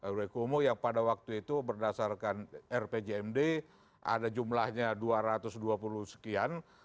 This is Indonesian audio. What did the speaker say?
rw kumuh yang pada waktu itu berdasarkan rpjmd ada jumlahnya dua ratus dua puluh sekian